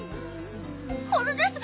これです！